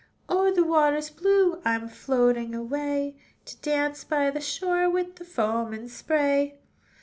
"O'er the waters blue, I'm floating away, To dance by the shore With the foam and spray.